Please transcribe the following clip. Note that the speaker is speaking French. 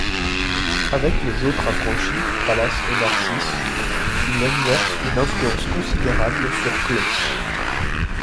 Avec les autres affranchis Pallas et Narcisse, il exerce une influence considérable sur Claude.